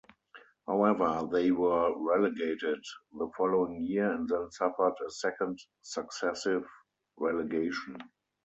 However, they were relegated the following year and then suffered a second successive relegation.